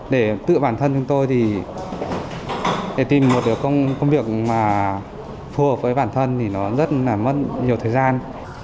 để tự bản thân chúng tôi thì để tìm một công việc mà phù hợp với bản thân thì nó rất là mất nhiều thời gian